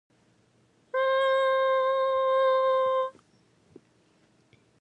The aquarium subsequently closed and sold its orcas to SeaWorld.